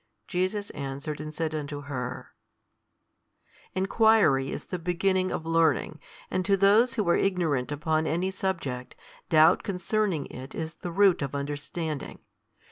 Jesus answered and said unto her, Enquiry is the beginning of learning, and to those who are ignorant upon any subject, doubt concerning it is the root of understanding.